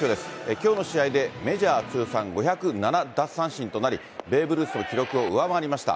きょうの試合でメジャー通算５０７奪三振となり、ベーブ・ルースの記録を上回りました。